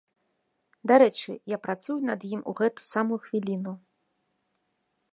Дарэчы, я працую над ім у гэтую самую хвіліну.